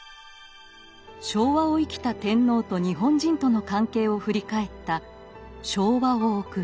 昭和を生きた天皇と日本人との関係を振り返った「『昭和』を送る」。